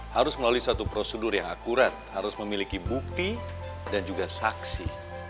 harus melalui satu prosedur yang akurat harus memiliki bukti dan juga saksi